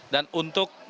dan untuk melintasi